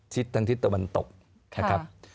ทิศทางทิศตะวันตกนะครับ